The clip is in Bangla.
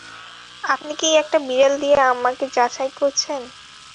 আপনি কি একটা বিড়াল দিয়ে আমাকে যাচাই করছেন?